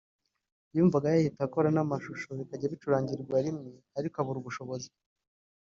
yumvaga yahita anakora amashusho bikajya bicurangirwa rimwe ariko abura ubushobozi